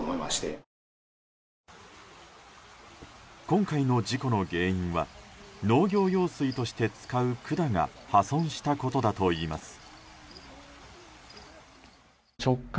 今回の事故の原因は農業用水として使う管が破損したことだといいます。